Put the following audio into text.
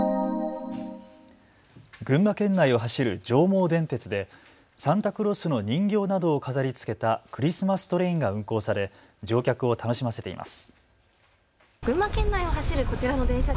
群馬県内を走る上毛電鉄でサンタクロースの人形などを飾りつけたクリスマストレインが運行され乗客を楽しませています。